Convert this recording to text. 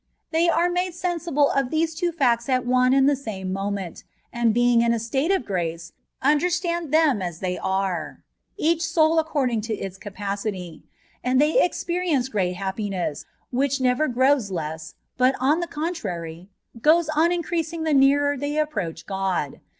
They are made sensible of these two facts at one and the same moment, and being in a state of grace, under stand them as they are, each soul according to its capacity ; and they experience great happiness, which never grows less, but, on the contrary, goes on increaaing the nearer they approach God.